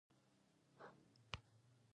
علت دین فهم نورو پوهنو سره اړخ لګاوه.